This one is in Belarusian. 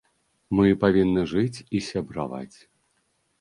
Мы павінны жыць і сябраваць.